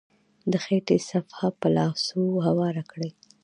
د خټې صفحه په لاسو هواره کړئ.